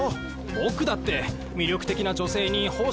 僕だって魅力的な女性に奉仕したいけど。